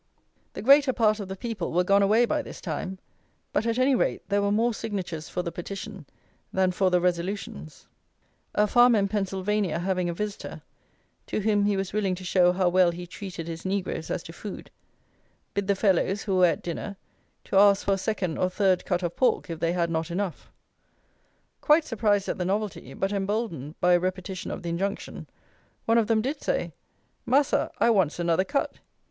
The greater part of the people were gone away by this time; but, at any rate, there were more signatures for the petition than for the resolutions. A farmer in Pennsylvania having a visitor, to whom he was willing to show how well he treated his negroes as to food, bid the fellows (who were at dinner) to ask for a second or third cut of pork if they had not enough. Quite surprised at the novelty, but emboldened by a repetition of the injunction, one of them did say, "Massa, I wants another cut."